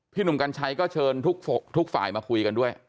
หนุ่มกัญชัยก็เชิญทุกฝ่ายมาคุยกันด้วย